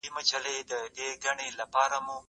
دا انځور له هغه ښکلی دی؟